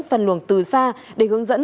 phân luồng từ xa để hướng dẫn